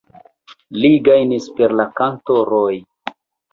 Li gajnis per la kanto "Roi".